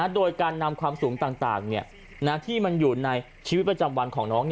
โดยการนำความสูงต่างที่มันอยู่ในชีวิตประจำวันของน้อง